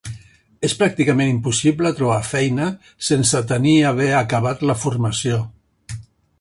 És pràcticament impossible trobar feina sense tenir haver acabat la formació.